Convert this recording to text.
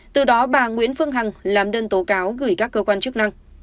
từ đó bà nguyễn phương hằng làm đơn tố cáo gửi các cơ quan chức năng